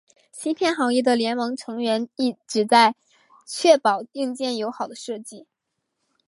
芯片行业的联盟成员旨在确保硬件友好的设计。